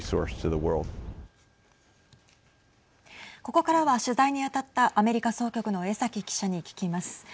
ここからは、取材に当たったアメリカ総局の江崎記者に聞きます。